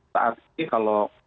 saat ini kalau